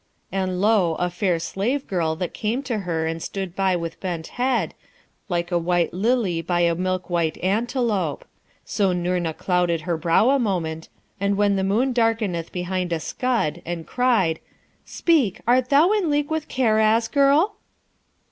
and lo, a fair slave girl that came to her and stood by with bent head, like a white lily by a milk white antelope; so Noorna clouded her brow a moment, as when the moon darkeneth behind a scud, and cried, 'Speak! art thou in league with Karaz, girl?'